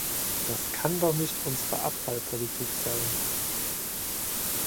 Das kann doch nicht unsere Abfallpolitik sein!